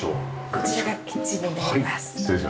こちらがキッチンになります。